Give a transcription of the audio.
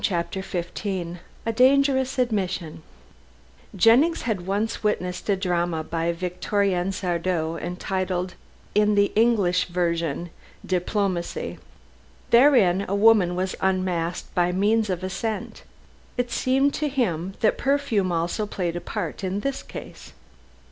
CHAPTER XV A DANGEROUS ADMISSION Jennings had once witnessed a drama by Victorien Sardou, entitled in the English version Diplomacy. Therein a woman was unmasked by means of a scent. It seemed to him that perfume also played a part in this case.